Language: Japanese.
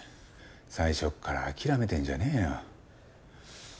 最初から諦めてんじゃねえよ。